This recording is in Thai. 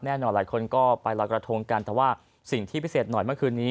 หลายคนก็ไปลอยกระทงกันแต่ว่าสิ่งที่พิเศษหน่อยเมื่อคืนนี้